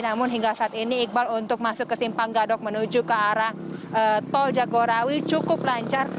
namun hingga saat ini iqbal untuk masuk ke simpang gadok menuju ke arah tol jagorawi cukup lancar